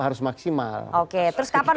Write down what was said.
harus maksimal oke terus kapan